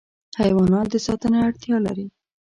حیوانات د ساتنې اړتیا لري.